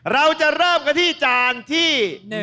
เราจะเริ่มกันที่จานที่